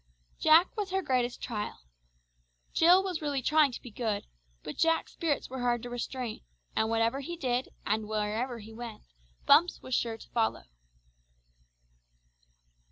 Jack was her greatest trial. Jill was really trying to be good, but Jack's spirits were hard to restrain, and whatever he did, and wherever he went, Bumps was sure to follow.